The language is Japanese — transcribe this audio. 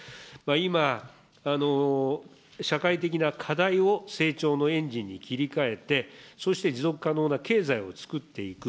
今、社会的な課題を成長のエンジンに切り替えて、そして、持続可能な経済をつくっていく。